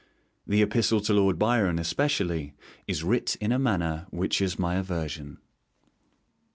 The Epistle to Lord Byron, especially, is 'writ in a manner which is my aversion.'